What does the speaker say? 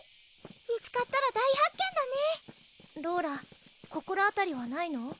見つかったら大発見だねローラ心当たりはないの？